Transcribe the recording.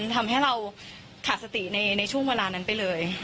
ทำให้เราขาดสติในช่วงเวลานั้นไปเลย